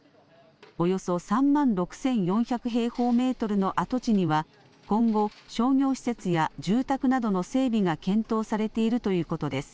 およそ３万６４００平方メートルの跡地には、今後、商業施設や住宅などの整備が検討されているということです。